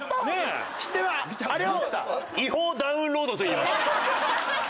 あれを違法ダウンロードといいます。